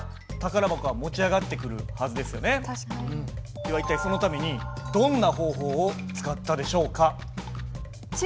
では一体そのためにどんな方法を使ったでしょうか？